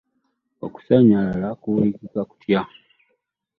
Okusanyalala kuwulikika kutya .